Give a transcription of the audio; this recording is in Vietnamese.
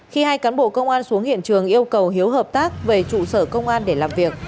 khi hai cán bộ công an xuống hiện trường yêu cầu hiếu hợp tác về trụ sở công an để làm việc